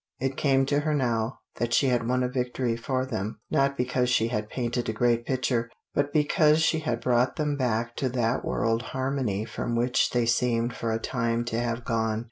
It came to her now that she had won a victory for them, not because she had painted a great picture, but because she had brought them back to that world harmony from which they seemed for a time to have gone.